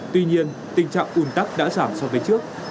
tuy nhiên tình trạng ùn tắc đã giảm so với trước